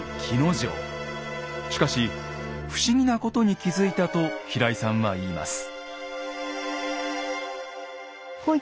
しかし不思議なことに気付いたと平井さんは言います。